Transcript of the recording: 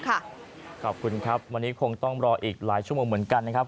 ขอบคุณครับวันนี้คงต้องรออีกหลายชั่วโมงเหมือนกันนะครับ